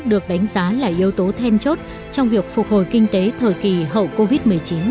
được đánh giá là yếu tố then chốt trong việc phục hồi kinh tế thời kỳ hậu covid một mươi chín